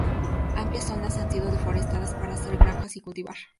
Amplias zonas han sido deforestadas para hacer granjas y cultivar.